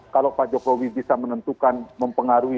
kalau pak jokowi bisa menentukan mempengaruhi